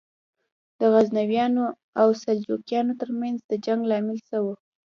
د غزنویانو او سلجوقیانو تر منځ د جنګ لامل څه و؟